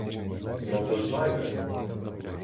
Ну, то знай же!